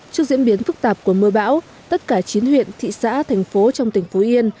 trước diễn biến phức tạp của mưa bão tất cả chín huyện thị xã thành phố trong tỉnh phú yên